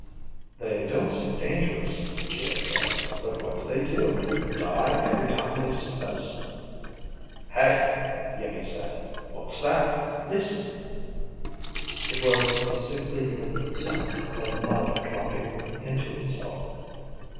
"They don't seem dangerous," Geo said. "But what do they do? Die every time they see us?" "Hey," Iimmi said. "What's that? Listen." It was a sickly liquid sound, like mud dropping into itself.